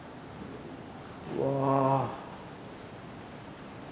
うわ。